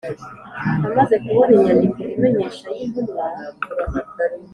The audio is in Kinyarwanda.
Amaze kubona inyandiko imenyesha y intumwa